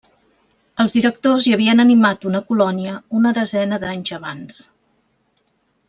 Els directors hi havien animat una colònia una desena d'anys abans.